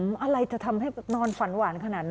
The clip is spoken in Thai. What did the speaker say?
อะไรจะทำให้นอนฝันหวานขนาดนั้น